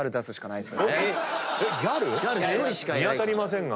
ギャル⁉見当たりませんが。